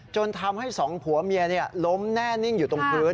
จนทำให้สองผัวเมียล้มแน่นิ่งอยู่ตรงพื้น